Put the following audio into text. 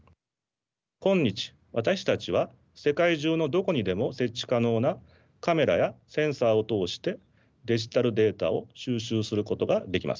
今日私たちは世界中のどこにでも設置可能なカメラやセンサーを通してデジタルデータを収集することができます。